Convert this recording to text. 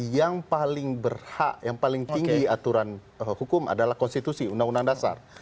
yang paling berhak yang paling tinggi aturan hukum adalah konstitusi undang undang dasar